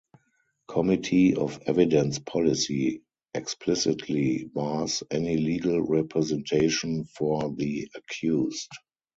Committee of Evidence policy explicitly bars any legal representation for the accused.